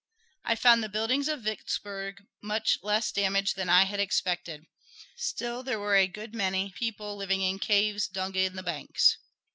I found the buildings of Vicksburg much less damaged than I had expected. Still, there were a good many people living in caves dug in the banks.